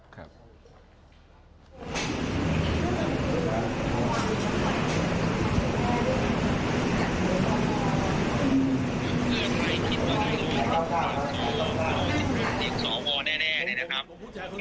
ครับ